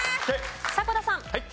迫田さん。